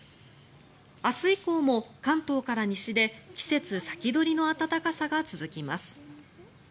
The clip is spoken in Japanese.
明日以降も関東から西で季節先取りの暖かさが続きます。